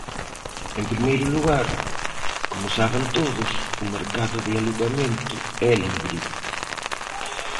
En primeiro lugar, como saben todos, o mercado de alugamento é libre.